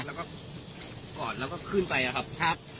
แล้วก็กอดแล้วก็ขึ้นไปครับ